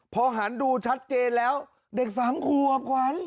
พอหันดูชัดเจนแล้วเด็ก๓ขวบขวัญ